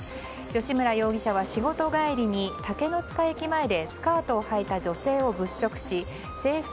吉村容疑者は仕事帰りに竹ノ塚駅前でスカートをはいた女性を物色し制服